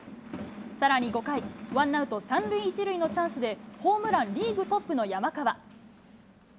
さらに５回、ワンアウト３塁１塁のチャンスで、ホームランリーグトップの山川。